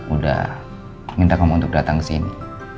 udah minta kamu untuk datang kesini